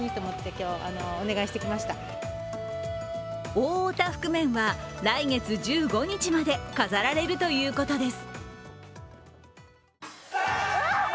大お多福面は来月１５日まで飾られるということです。